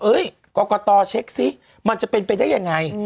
เอ๊ยก็กระต่อเช็กซิมันจะเป็นไปได้ยังไง